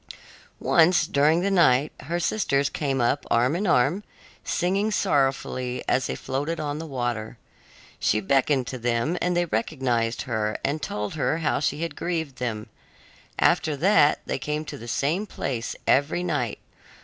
Once during the night her sisters came up arm in arm, singing sorrowfully as they floated on the water. She beckoned to them, and they recognized her and told her how she had grieved them; after that, they came to the same place every night.